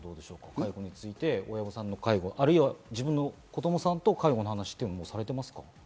介護について親御さんとあるいは自分の子供さんと介護の話されたりしますか？